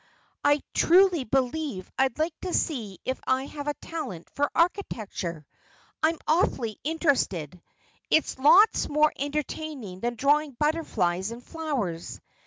"I truly believe I'd like to see if I have a talent for architecture. I'm awfully interested. It's lots more entertaining than drawing butterflies and flowers.